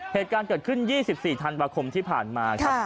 เหตุการณ์เกิดขึ้น๒๔ธันวาคมที่ผ่านมาครับ